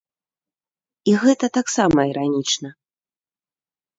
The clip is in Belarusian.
І гэта таксама іранічна.